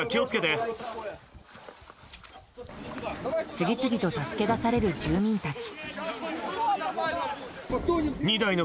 次々と助け出される住民たち。